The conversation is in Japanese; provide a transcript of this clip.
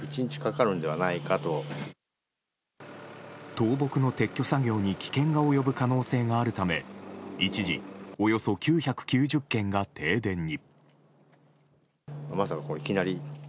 倒木の撤去作業に危険が及ぶ可能性があるため一時、およそ９９０軒が停電に。